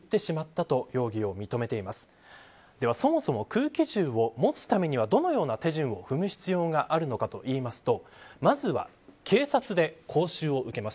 そもそも空気銃を持つためにはどのような手順を踏む必要があるのかといいますと。